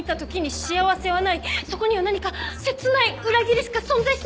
そこには何か切ない裏切りしか存在しないの！